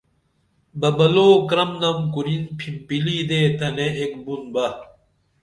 ببلو کرم نم کُرِن پِھمپِلی دے تنے ایک بُن بہ